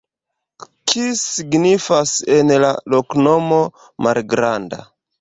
Kis signifas en la loknomo: malgranda.